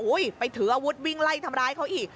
ไปถืออาวุธวิ่งไล่ทำร้ายเขาอีก